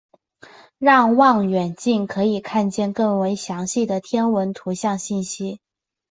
让望远镜可以看见更为详细的天文图像信息。